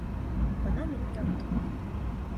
Бына минең йортом